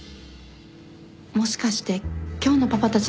もしかして今日のパパたちの任務って。